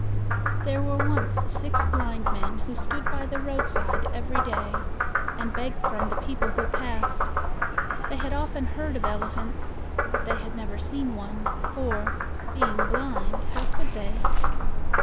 There were once six blind men who stood by the road side every day, and begged from the people who passed. They had often heard of el e phants, but they had never seen one; for, being blind, how could they?